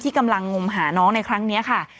กำลังงมหาน้องในครั้งนี้ค่ะ